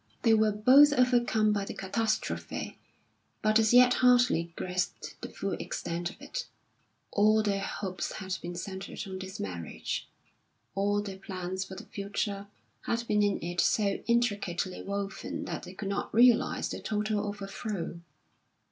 They were both overcome by the catastrophe, but as yet hardly grasped the full extent of it. All their hopes had been centred on this marriage; all their plans for the future had been in it so intricately woven that they could not realise the total over throw.